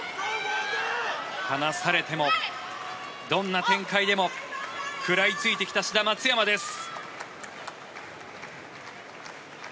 離されてもどんな展開でも食らいついてきた志田・松山です。